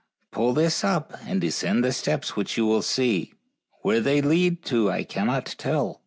Pull this up and descend the steps which you will see. Where they lead to I cannot tell.